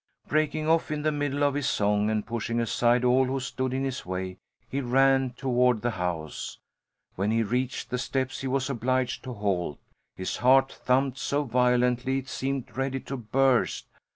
Breaking off in the middle of his song and pushing aside all who stood in his way, he ran toward the house. When he reached the steps he was obliged to halt. His heart thumped so violently it seemed ready to burst.